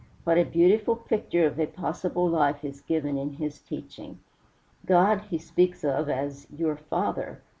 What a beautiful picture of a possible life is given in his teaching. God he speaks of as "your Father."